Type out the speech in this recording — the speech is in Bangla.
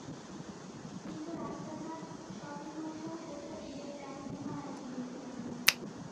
কিন্তু রাস্তাঘাট, শপিং মলসহ কোথাও ঈদের তেমন কোনো আয়োজন দেখতে পাইনি।